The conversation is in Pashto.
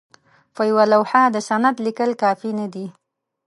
په یوه لوحه د سند لیکل کافي نه دي.